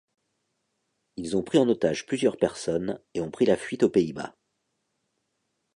Ils ont pris en otage plusieurs personnes et ont pris la fuite aux Pays-Bas.